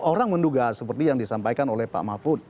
orang menduga seperti yang disampaikan oleh pak mahfud